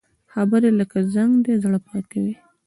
خبرې لکه زنګ دي، زړه پاکوي